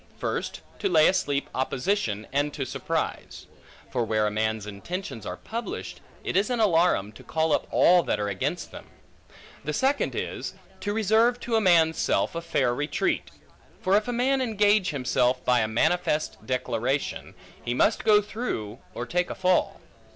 First, to lay asleep opposition, and to surprise. For where a man's intentions are published, it is an alarum, to call up all that are against them. The second is, to reserve to a man's self a fair retreat. For if a man engage himself by a manifest declaration, he must go through or take a fall.